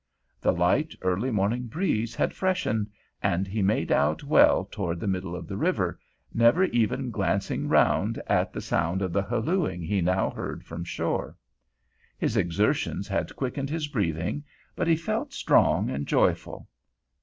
The light, early morning breeze had freshened, and he made out well toward the middle of the river, never even glancing around at the sound of the hallooing he now heard from shore. His exertions had quickened his breathing, but he felt strong and joyful.